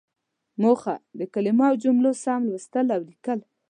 موخه: د کلمو او جملو سم لوستل او ليکل.